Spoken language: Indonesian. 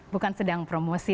bukan sedang promosi